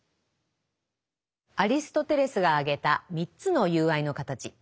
アリストテレスが挙げた３つの友愛の形。